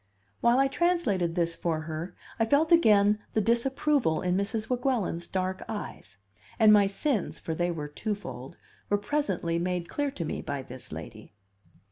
While I translated this for her, I felt again the disapproval in Mrs. Weguelin's dark eyes; and my sins for they were twofold were presently made clear to me by this lady.